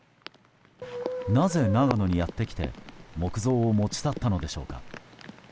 なぜ、長野にやってきて木像を持ち去ったのでしょうか。